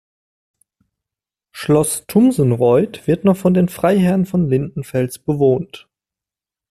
Schloss Thumsenreuth wird noch von den Freiherren von Lindenfels bewohnt.